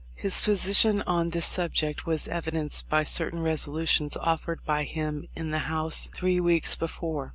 His position on this subject was evidenced by certain resolutions offered by him in the House three weeks before.